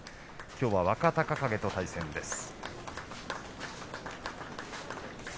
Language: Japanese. きょうは若隆景と対戦です。